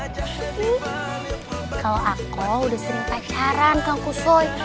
kalau aku udah sering pacaran kang kusoy